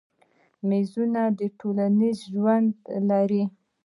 میږیان ټولنیز ژوند لري